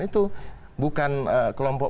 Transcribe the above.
itu bukan kelompok